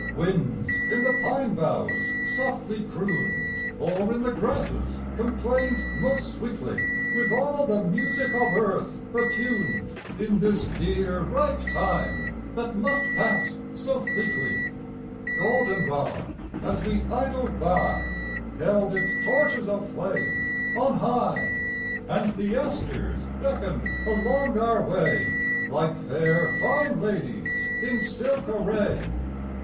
Winds in the pine boughs softly crooned, Or in the grasses complained most sweetly, With all the music of earth attuned In this dear ripe time that must pass so fleetly: Golden rod as we idled by Held its torches of flame on high. And the asters beckoned along our way Like fair fine ladies in silk array.